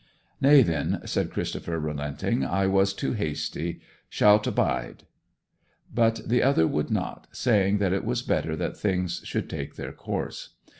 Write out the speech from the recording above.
'Nay, then,' said Christopher relenting, 'I was too hasty. Sh'lt bide!' But the other would not, saying that it was better that things should take their course.